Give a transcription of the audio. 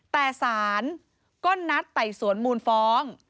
แต่ศาลก็นัดไต่สวนมูลฟ้อง